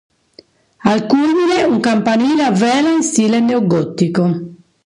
Al culmine, un campanile a vela in stile neogotico.